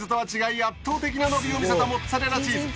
圧倒的な伸びを見せたモッツァレラチーズ！